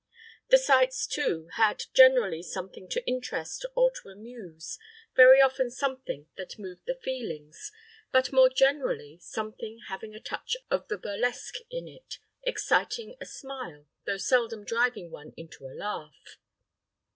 The sights, too, had generally something to interest or to amuse very often something that moved the feelings; but more generally something having a touch of the burlesque in it, exciting a smile, though seldom driving one into a laugh.